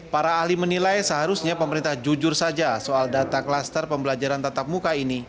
para ahli menilai seharusnya pemerintah jujur saja soal data klaster pembelajaran tatap muka ini